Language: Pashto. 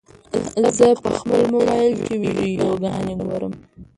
زه په خپل موبایل کې ویډیوګانې ګورم.